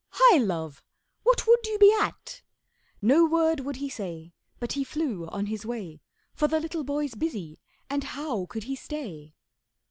Hi, Love, what would you be at?' No word would he say, But he flew on his way, For the little boy's busy, and how could he stay?